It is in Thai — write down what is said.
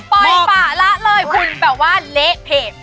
ปล่อยป่าละเลยคุณแบบว่าเละเพจ